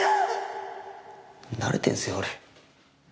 慣れてんすよ俺。